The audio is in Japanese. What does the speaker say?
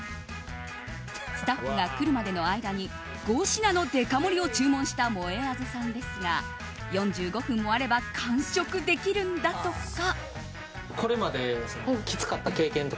スタッフが来るまでの間に５品のデカ盛りを注文したもえあずさんですが４５分もあれば完食できるんだとか。